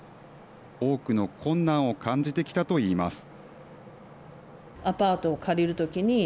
多くの困難を感じてきたと言います。